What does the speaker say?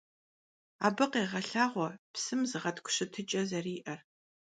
Abı khêğelhağue psım zığetk'u şıtıç'e zeri'er.